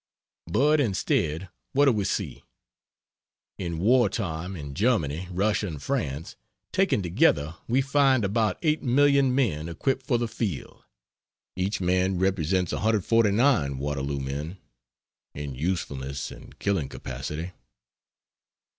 But instead what do we see? In war time in Germany, Russia and France, taken together we find about 8 million men equipped for the field. Each man represents 149 Waterloo men, in usefulness and killing capacity.